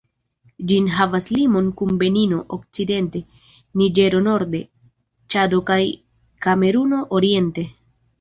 Ĝi havas limon kun Benino okcidente, Niĝero norde, Ĉado kaj Kameruno oriente.